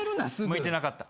向いてなかった。